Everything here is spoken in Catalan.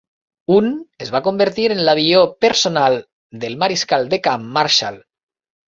Un es va convertir en l'avió personal del mariscal de camp Marshall.